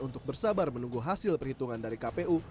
untuk bersabar menunggu hasil perhitungan dari kpu